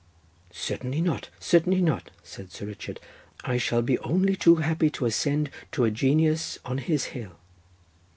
'Certainly not; certainly not,' said Sir Richard. 'I shall be only too happy to ascend to a genius on his hill.